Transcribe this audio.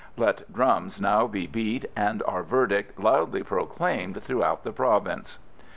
Let drums now be beat, and our verdict loudly proclaimed throughout the province."